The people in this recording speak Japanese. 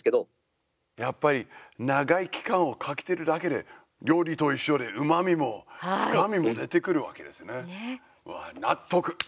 やっぱり長い期間をかけてるだけで料理と一緒で、うまみも深みも出てくるわけですね、納得。